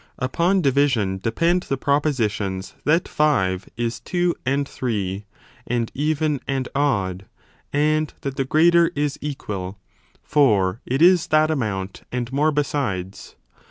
Upon division depend the propositions that 5 is 2 and 3, and even and odd, and that the greater is equal : for it is that amount and more besides.